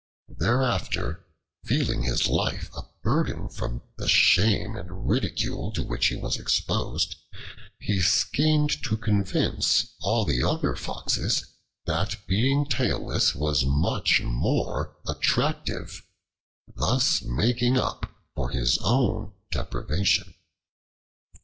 Thereafter, feeling his life a burden from the shame and ridicule to which he was exposed, he schemed to convince all the other Foxes that being tailless was much more attractive, thus making up for his own deprivation.